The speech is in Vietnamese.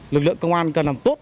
lực lượng công an cần làm tốt